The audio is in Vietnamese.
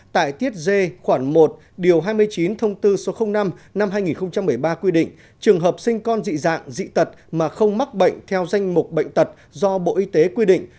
tại tiết d khoảng một điều hai mươi chín thông tư số năm năm hai nghìn một mươi ba quy định trường hợp sinh con dị dạng dị tật mà không mắc bệnh theo danh mục bệnh tật do bộ y tế quy định